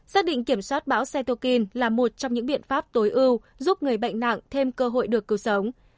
xác định kiểm soát bão xetokin là một trong những biện pháp tối ưu giúp người bệnh nặng thêm cơ hội được cứu sống